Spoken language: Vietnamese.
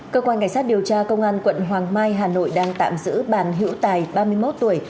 cơ quan cảnh sát điều tra công an quận hoàng mai hà nội đang tạm giữ bàn hữu tài ba mươi một tuổi